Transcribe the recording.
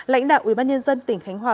lãnh đạo ubnd tỉnh khánh hòa